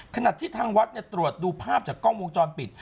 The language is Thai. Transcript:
ขณะที่ทางวัดตรวจดูภาพจากกล้องวงจรปิด